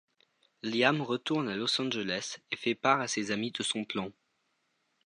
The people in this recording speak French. Liam retourne à Los Angeles et fait part à ses amis de son plan.